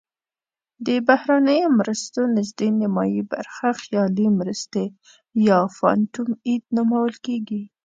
د بهرنیو مرستو نزدې نیمایي برخه خیالي مرستې یا phantom aid نومول کیږي.